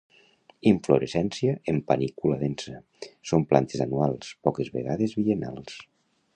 Inflorescència en panícula densa. Són plantes anuals, poques vegades biennals.